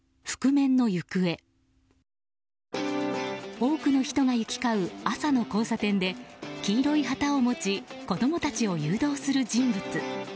多くの人が行き交う朝の交差点で黄色い旗を持ち子供たちを誘導する人物。